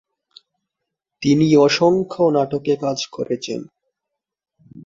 তিনি অসংখ্য নাটকে কাজ করেছেন।